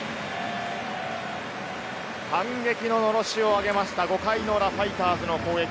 反撃ののろしを上げました、５回の裏ファイターズの攻撃。